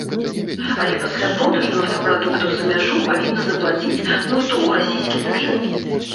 Але пасля продажу нафтапрадуктаў за мяжу павінна заплаціць мыту ў расійскі бюджэт.